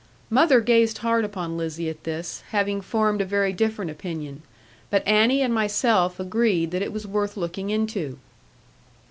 Mother gazed hard upon Lizzie at this, having formed a very different opinion; but Annie and myself agreed that it was worth looking into.